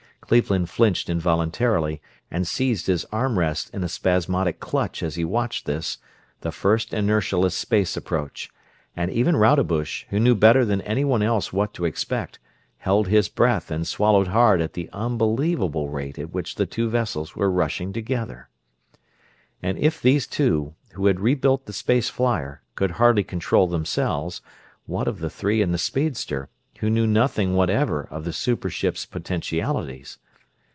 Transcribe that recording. Cleveland flinched involuntarily and seized his arm rests in a spasmodic clutch as he watched this, the first inertialess space approach; and even Rodebush, who knew better than anyone else what to expect, held his breath and swallowed hard at the unbelievable rate at which the two vessels were rushing together. And if these two, who had rebuilt the space flyer, could hardly control themselves, what of the three in the speedster, who knew nothing whatever of the super ship's potentialities?